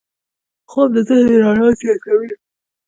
خوب د ذهن رڼا زیاتوي